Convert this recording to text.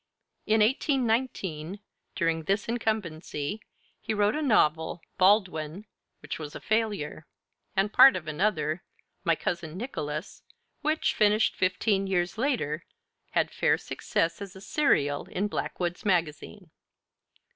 In 1819, during this incumbency, he wrote a novel, 'Baldwin,' which was a failure; and part of another, 'My Cousin Nicholas,' which, finished fifteen years later, had fair success as a serial in Blackwood's Magazine.